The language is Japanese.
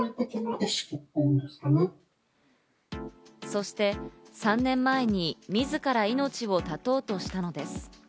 そして３年前に自ら命を絶とうとしたのです。